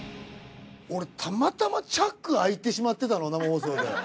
俺たまたまチャック開いてしまってたの生放送で。